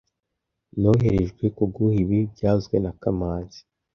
Noherejwe kuguha ibi byavuzwe na kamanzi